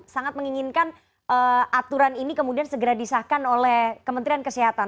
sangat menginginkan aturan ini kemudian segera disahkan oleh kementerian kesehatan